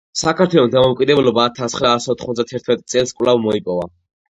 საქართველომ დამოუკიდებლობა ათასცხრაასოთხმოცდათერთმეტი წელს კვლავ მოიპოვა.